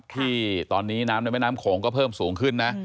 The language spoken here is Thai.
ที่ตอนนี้น้ำในแม่น้ำโขงก็เพิ่มสูงขึ้นนะ